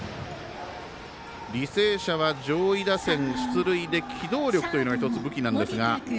履正社は上位打線出塁で機動力というのが一つ、武器なんですが。